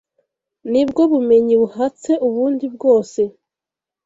nibwo bumenyi buhatse ubundi bwose